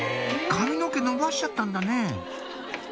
髪の毛伸ばしちゃったんだね